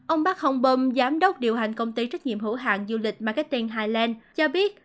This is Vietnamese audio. ông bác hồng bùm giám đốc điều hành công ty trách nhiệm hữu hàng du lịch marketing highland cho biết